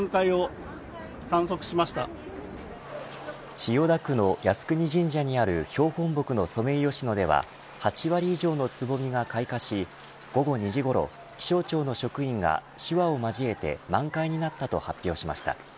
千代田区の靖国神社にある標本木のソメイヨシノでは８割以上のつぼみが開花し午後２時ごろ気象庁の職員が手話を交えて満開になったと発表しました。